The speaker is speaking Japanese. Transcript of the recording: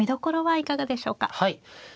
はい。